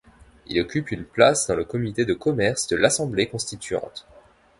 Il occupe une place dans le comité de commerce de l'assemblée constituante.